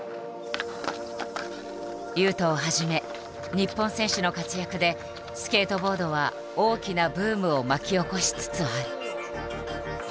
雄斗をはじめ日本選手の活躍でスケートボードは大きなブームを巻き起こしつつある。